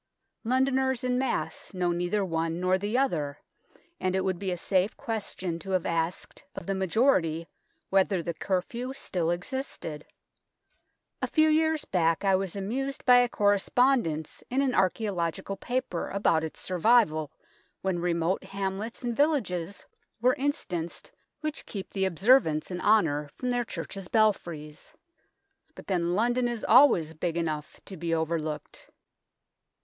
Londoners en masse know neither one nor the other, and it would be a safe question to have asked of the majority whether the cur few still existed. A few years back I was 61 62 THE TOWER OF LONDON amused by a correspondence in an archaeo logical paper about its survival, when remote hamlets and villages were instanced which keep the observance in honour from their church belfries. But then London is always big enough to be overlooked.